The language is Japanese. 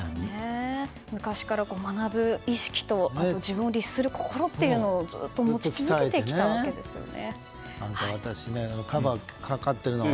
昔から学ぶ意識と自分を律する心をずっと持ち続けてきたわけですね。